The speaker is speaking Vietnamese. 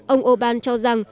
ông orbán cho rằng